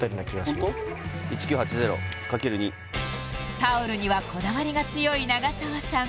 １９８０×２タオルにはこだわりが強い長澤さん